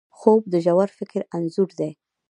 خوب د ژور فکر انځور دی